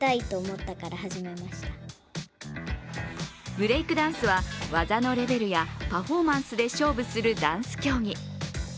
ブレイクダンスは技のレベルやパフォーマンスで勝負するダンス競技。